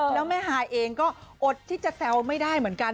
แล้วแม่ฮายเองก็อดที่จะแซวไม่ได้เหมือนกัน